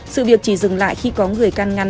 sự việc chỉ dừng lại khi có người căn ngăn